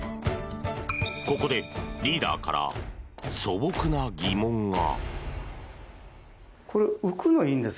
ここでリーダーから素朴な疑問が。